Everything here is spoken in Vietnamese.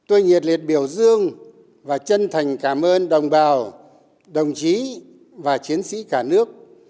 việt biểu dương và chân thành cảm ơn đồng bào đồng chí và chiến sĩ cả nước